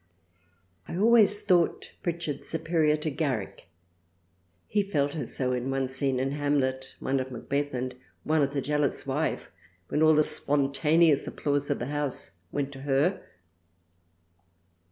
I always thought Pritchard superior to Garrick ; he felt her so in one scene in Hamlet, one of Macbeth, and one of the Jealous Wife when all the Spontaneous Applause of the House went to her.